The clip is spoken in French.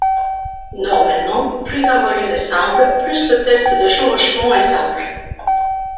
Normalement, plus un volume est simple plus le test de chevauchement est simple.